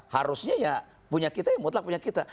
harusnya ya punya kita ya mutlak punya kita